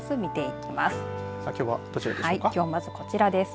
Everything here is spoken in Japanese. きょうまずこちらです。